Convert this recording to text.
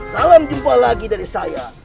salam jumpa lagi dari saya